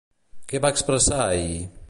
Què va expressar ahir?